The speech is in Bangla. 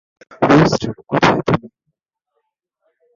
রুস্টার, কোথায় তুমি?